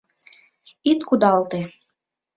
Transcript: Ит кудалте.